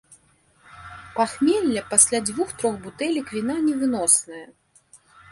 Пахмелле пасля дзвюх-трох бутэлек віна невыноснае.